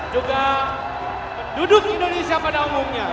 juga penduduk indonesia pada umumnya